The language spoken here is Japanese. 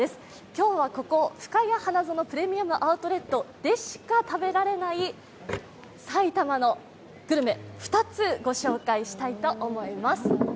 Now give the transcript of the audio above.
今日はここ、ふかや花園プレミアム・アウトレットでしか食べられない埼玉のグルメ２つ、ご紹介したいと思います。